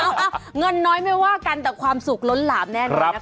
เงินน้อยไม่ว่ากันแต่ความสุขล้นหลามแน่นอนนะคะ